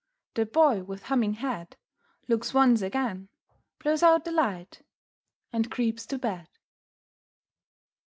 The Boy with humming head Looks once again, blows out the light, and creeps to bed.